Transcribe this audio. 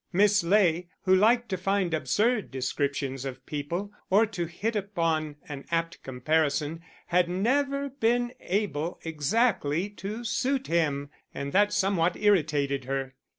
Miss Ley, who liked to find absurd descriptions of people, or to hit upon an apt comparison, had never been able exactly to suit him; and that somewhat irritated her.